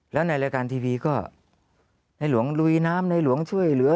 แล้วในรายการทีวีก็ในหลวงลุยน้ำในหลวงช่วยเหลือ